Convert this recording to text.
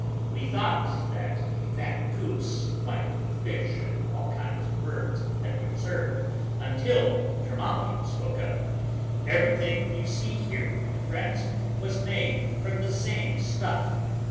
We thought that a fat goose, flanked with fish and all kinds of birds, had been served, until Trimalchio spoke up. "Everything you see here, my friends," said he, "was made from the same stuff."